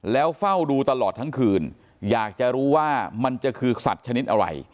แล้วเฝ้าดูตลอดทั้งคืนอยากจะรู้ว่ามันจะคือสัตว์ชนิดอะไร